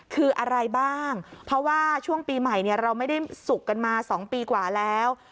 คืออะไรบ้างเพราะว่าช่วงปีใหม่เราไม่ได้สุขกันมา๒ปีกว่าแล้ว